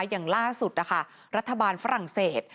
อย่างล่าสุดนะคะรัฐบาลฝรั่งเศส